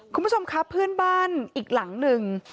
คุณผู้ชมครับเพื่อนบ้านอีกหลังหนึ่ง